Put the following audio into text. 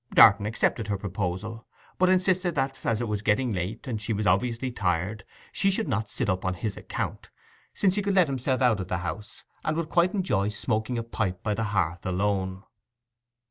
Darton accepted her proposal, but insisted that, as it was getting late, and she was obviously tired, she should not sit up on his account, since he could let himself out of the house, and would quite enjoy smoking a pipe by the hearth alone.